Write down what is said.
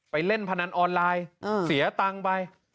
เล่นพนันออนไลน์เสียตังค์ไป